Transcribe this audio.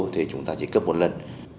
thì chúng ta chỉ cướp một lần